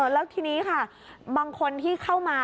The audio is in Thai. แล้วทีนี้ค่ะบางคนที่เข้ามา